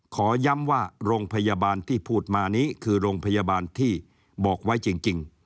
ขอย้ำว่าโรงพยาบาลที่พูดมานี้คือโรงพยาบาลที่บอกไว้จริง